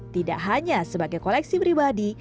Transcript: tidak hanya sebagai koleksi pribadi